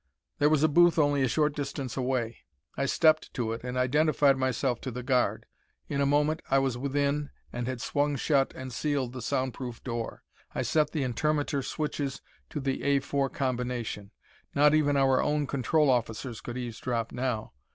There was a booth only a short distance away. I stepped to it and identified myself to the guard. In a moment I was within and had swung shut and sealed the sound proof door. I set the intermitter switches to the A 4 combination. Not even our own control officers could eavesdrop now.